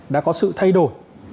đã có sự thay đổi